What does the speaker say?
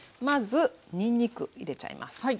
まずにんにく入れちゃいます。